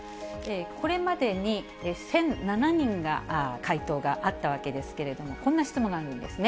これまでに１００７人が回答があったわけですけれども、こんな質問があるんですね。